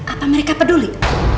apa mereka peduli